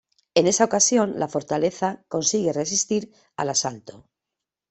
En esa ocasión la fortaleza consigue resistir al asalto.